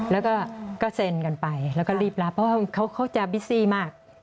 แล้วก็เซ็นกันไปแล้วก็รีบรับเพราะว่าเขาจะบิซี่มาก